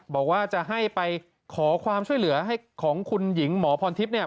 บอกว่าจะให้ไปขอความช่วยเหลือให้ของคุณหญิงหมอพรทิพย์เนี่ย